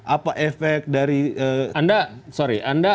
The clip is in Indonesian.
apa efek dari